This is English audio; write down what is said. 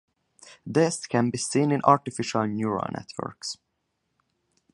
This can be seen in artificial neural networks.